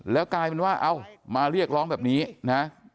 แล้วกลายเป็นว่าเอ้ามาเรียกร้องแบบนี้นะ